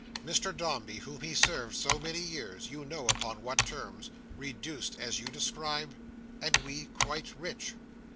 Mr Dombey, whom he served so many years—you know upon what terms—reduced, as you describe; and we quite rich!"